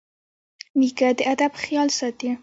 نیکه د ادب خیال ساتي.